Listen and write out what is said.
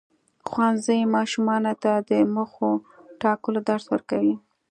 ښوونځی ماشومانو ته د موخو ټاکلو درس ورکوي.